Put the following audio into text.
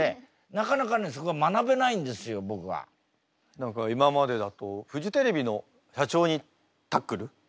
何か今までだとフジテレビの社長にタックル？